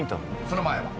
［その前は？］